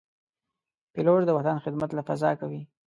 پیلوټ د وطن خدمت له فضا کوي.